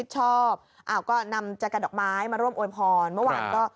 ชอบก็นำจักรดอกไม้มาร่วมโอยพรเมื่อวานก็